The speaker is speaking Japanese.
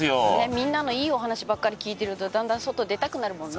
みんなのいいお話ばっかり聞いてるとだんだん外出たくなるもんね。